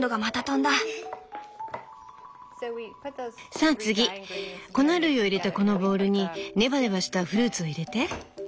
さあ次粉類を入れたこのボウルにネバネバしたフルーツを入れて。